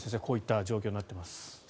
こういった状況になっています。